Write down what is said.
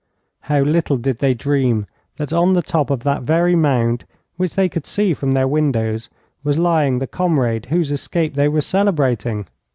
How little did they dream that on the top of that very mound, which they could see from their windows, was lying the comrade whose escape they were celebrating?